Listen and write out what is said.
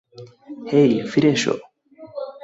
হেই, ফিরে এসো!